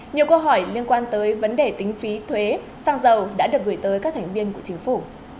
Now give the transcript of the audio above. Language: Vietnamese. nhiều câu hỏi liên quan tới vấn đề tính phí thuế xăng dầu đã được gửi tới các thành viên của chính phủ